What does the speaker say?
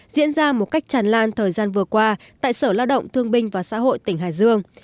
diễn ra một cách tràn lan thời gian vừa qua tại sở lao động thương binh và xã hội tỉnh hải dương